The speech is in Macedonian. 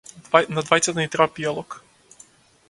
На двајцата ни треба пијалок.